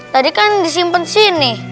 tadi kan disimpan sini